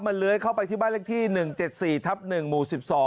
เลื้อยเข้าไปที่บ้านเลขที่๑๗๔ทับ๑หมู่๑๒